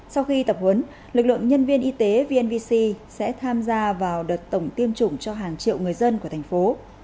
sau khi tập huấn lực lượng nhân viên y tế vnvc sẽ tham gia vào đợt tổng tiêm chủng cho hàng triệu người dân của thành phố